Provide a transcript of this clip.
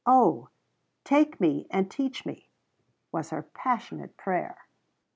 "Oh take me and teach me!" was her passionate prayer.